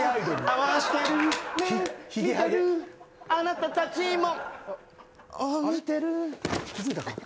「あなたたちも」